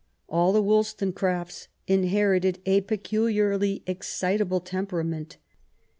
All the Wollstone crafts inherited a peculiarly excitable temperament.